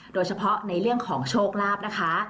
โดยเฉพาะในเรื่องของโชคลาภนะคะ